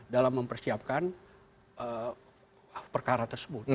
dalam mempersiapkan perkara tersebut